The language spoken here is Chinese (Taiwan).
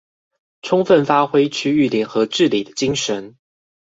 充分發揮區域聯合治理的精神